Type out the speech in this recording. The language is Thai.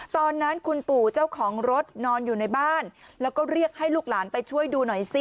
ตอนนั้นคุณปู่เจ้าของรถนอนอยู่ในบ้านแล้วก็เรียกให้ลูกหลานไปช่วยดูหน่อยสิ